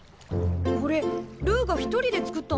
これルーが一人で作ったの？